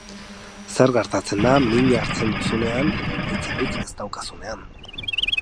Zer gertatzen da min hartzen duzunean edo emaitzarik ez daukazunean?